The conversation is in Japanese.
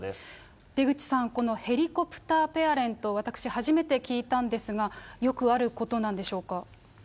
出口さん、このヘリコプターペアレント、私、初めて聞いたんですが、よくあることなんでしょうか。